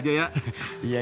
cinta ikut abang kamar